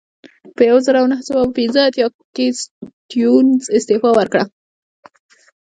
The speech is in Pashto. په یوه زرو نهه سوه پنځه اتیا کال کې سټیونز استعفا ورکړه.